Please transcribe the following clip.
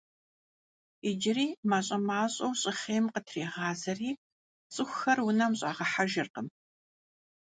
Иджыри мащӏэ-мащӏэу щӏыхъейм къытрегъазэри, цӀыхухэр унэм щӀагъэхьэжыркъым.